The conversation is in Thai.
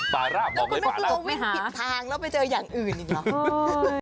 แล้วก็ไม่กลัววิ่งผิดทางแล้วไปเจออย่างอื่นอีกหรอก